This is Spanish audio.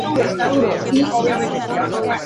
Son coloridos y algunos tienen bioluminiscencia.